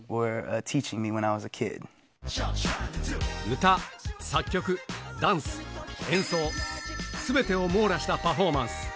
歌、作曲、ダンス、演奏、すべてを網羅したパフォーマンス。